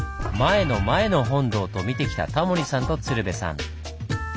「前の前の本堂」と見てきたタモリさんと鶴瓶さん。